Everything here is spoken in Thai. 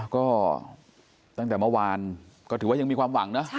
ก็ตั้งแต่เมื่อวานก็ถือว่ายังมีความหวังนะ